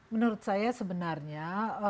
menurut saya sebenarnya